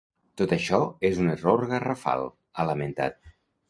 Tot això és un error garrafal, ha lamentat.